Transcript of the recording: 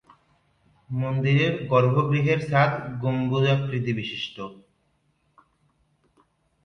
মন্দিরের গর্ভগৃহের ছাদ গম্বুজাকৃবিশিষ্ট।